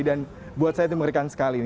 dan buat saya itu mengerikan sekali